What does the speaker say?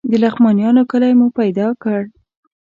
د لغمانیانو کلی مو پیدا کړ.